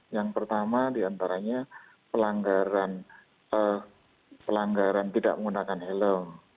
yang pertama diantaranya pelanggaran tidak menggunakan helm